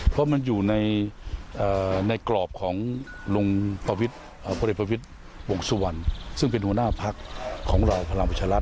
เพราะมันอยู่ในกรอบของพปสวรรณซึ่งเป็นหัวหน้าภักษ์ของเราพวัชรัฐ